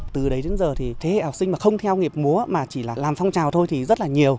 từ đấy đến giờ thì thế hệ học sinh mà không theo nghiệp múa mà chỉ là làm phong trào thôi thì rất là nhiều